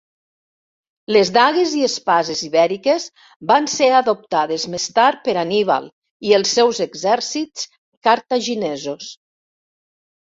Les dagues i espases ibèriques van ser adoptades més tard per Anníbal i els seus exèrcits cartaginesos.